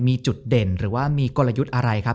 มีจุดเด่นหรือว่ามีกลยุทธ์อะไรครับ